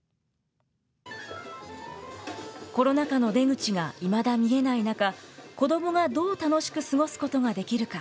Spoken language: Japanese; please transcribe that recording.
コロナ禍の出口がいまだ見えない中、子どもがどう楽しく過ごすことができるか。